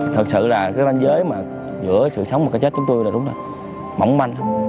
thật sự là cái ranh giới mà giữa sự sống và cái chết chúng tôi là đúng là mỏng manh